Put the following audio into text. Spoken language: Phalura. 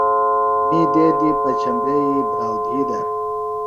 می دیدیۡ پچھمبیئی بھراو دھی دےۡ